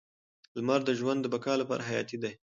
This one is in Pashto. لمر د ژوند د بقا لپاره حیاتي دی.